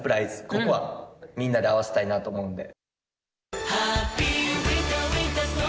ここはみんなで合わせたいなと思うんで。